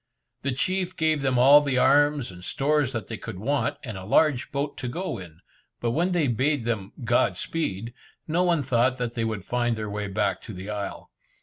The chief gave them all the arms and stores that they could want, and a large boat to go in, but when they bade them "God speed," no one thought that they would find their way back to the isle.